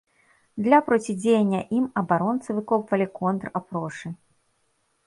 Для процідзеяння ім абаронцы выкопвалі контр-апрошы.